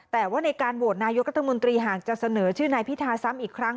แต่ว่าในการโหวตนายกรัฐมนตรีหากจะเสนอชื่อนายพิธาซ้ำอีกครั้ง